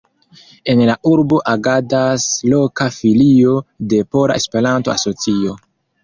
En la urbo agadas loka Filio de Pola Esperanto-Asocio.